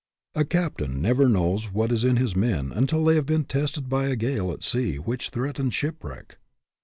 A captain never knows what is in his men until they have been tested by a gale at sea which threatens shipwreck.